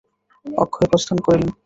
অক্ষয় প্রস্থান করিলেন।